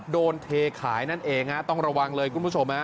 เทขายนั่นเองฮะต้องระวังเลยคุณผู้ชม